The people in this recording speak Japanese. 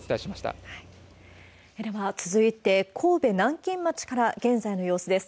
では続いて、神戸・南京町から現在の様子です。